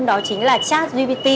đó chính là chat gpt